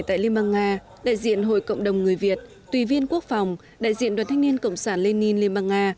tại liên bang nga đại diện hội cộng đồng người việt tùy viên quốc phòng đại diện đoàn thanh niên cộng sản lenin liên bang nga